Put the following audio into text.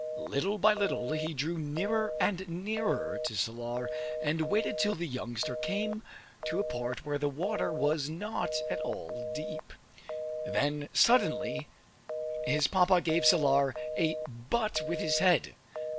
Little by little he drew nearer and nearer to Salar, and waited till the youngster came to a part where the water was not at all deep. Then suddenly his Papa gave Salar a butt with his head.